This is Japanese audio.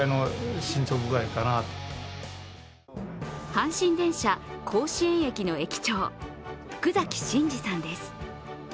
阪神電車甲子園駅の駅長福崎信次さんです